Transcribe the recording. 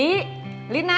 berkait donde dia wisata